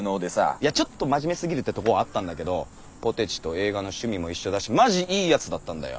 いやちょっと真面目すぎるってとこはあったんだけどポテチと映画の趣味も一緒だしマジいいやつだったんだよ。